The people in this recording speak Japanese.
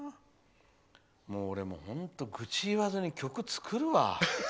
俺も愚痴を言わずに曲を作るわ。